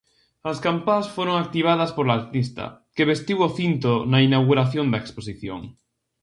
As campás foron activadas pola artista, que vestiu o cinto na inauguración da exposición.